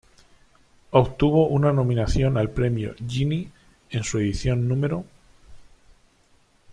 Obtuvo una nominación al premio Genie en su edición No.